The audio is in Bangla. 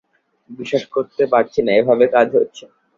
বিশ্বাস করতে পারছি না, এভাবে কাজ হচ্ছে।